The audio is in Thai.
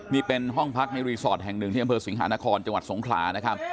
นี่เป็นห้องพักในรีสอร์ตแห่ง๑ที่บสิงหานครจังหวัดสงขลา